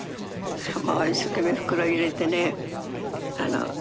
もう一生懸命袋入れてね。